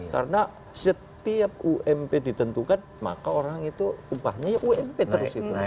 karena setiap ump ditentukan maka orang itu upahnya ump terus